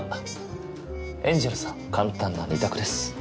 エンジェルさん簡単な２択です